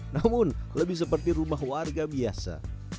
namun lebih seperti rumah warga biasa